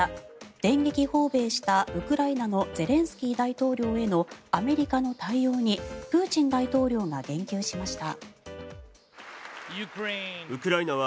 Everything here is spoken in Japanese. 電撃訪米したウクライナのゼレンスキー大統領へのアメリカの対応にプーチン大統領が言及しました。